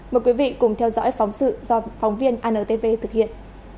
mời quý vị cùng theo dõi phóng sự do phóng viên antv thực hiện